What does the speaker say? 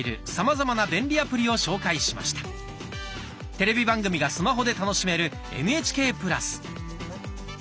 テレビ番組がスマホで楽しめる「ＮＨＫプラス」。